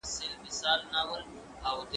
هغه وويل چي موبایل کارول مهم دي